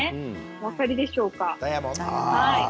お分かりでしょうか。